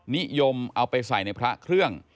นิยมเอาไปใส่ในพระเครื่อง